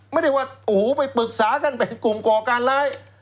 ไม่ได้ว่าโอ้โหไปปรึกษากันเป็นกลุ่มก่อการร้าย